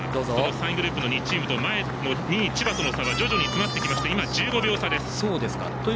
３位グループの２チームと前の２位、千葉との差は徐々に詰まってきて今、１５秒差です。